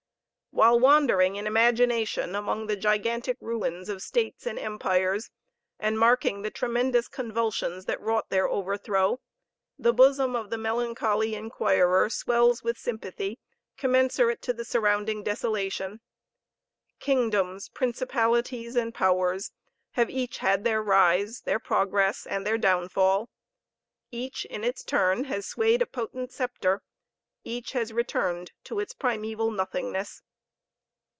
While wandering, in imagination, among the gigantic ruins of states and empires, and marking the tremendous convulsions that wrought their overthrow, the bosom of the melancholy inquirer swells with sympathy commensurate to the surrounding desolation. Kingdoms, principalities, and powers, have each had their rise, their progress, and their downfall; each in its turn has swayed a potent sceptre; each has returned to its primeval nothingness.